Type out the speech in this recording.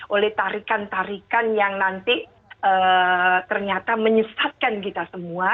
oleh tarikan tarikan yang nanti ternyata menyesatkan kita semua